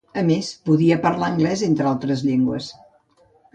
A més, podia parlar anglès, entre altres llengües.